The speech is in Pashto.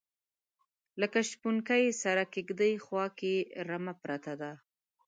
لکه شپونکي سره کیږدۍ خواکې رمه پرته ده